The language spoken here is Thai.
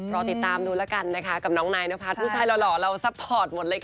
รอติดตามดูแล้วกันนะคะกับน้องนายนพัฒน์ผู้ชายหล่อเราซัพพอร์ตหมดเลยค่ะ